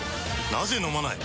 なぜ飲まない？